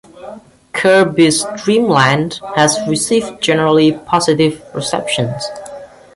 "Kirby's Dream Land" has received generally positive reception.